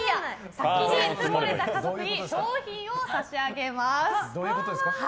先にツモれた家族に商品を差し上げます。